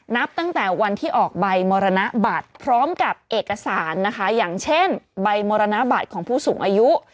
นับตั้งแต่วันที่ออกใบมรณบัตรพร้อมกับเอกสารนะคะอย่างเช่นใบมรณบัตรของผู้สูงอายุ